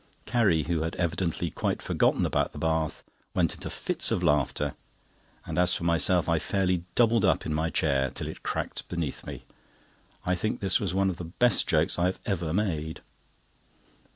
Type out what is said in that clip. Carrie, who had evidently quite forgotten about the bath, went into fits of laughter, and as for myself, I fairly doubled up in my chair, till it cracked beneath me. I think this was one of the best jokes I have ever made.